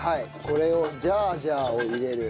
これをジャージャーを入れる。